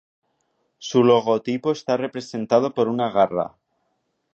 Su logotipo está representado por una garra.